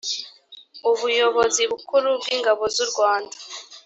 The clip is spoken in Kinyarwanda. ubuyobozi bukuru bw ingabo z’ u rwanda